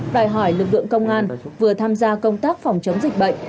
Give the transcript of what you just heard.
đòi hỏi lực lượng công an vừa tham gia công tác phòng chống dịch bệnh